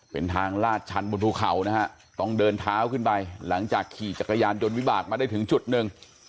เป็นทางลาดชันบนภูเขานะฮะต้องเดินเท้าขึ้นไปหลังจากขี่จักรยานยนต์วิบากมาได้ถึงจุดหนึ่ง